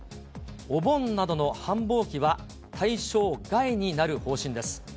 お盆などの繁忙期は対象外になる方針です。